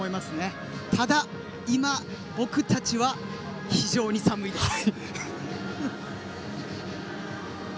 ただ今、僕たちは非常に寒いです。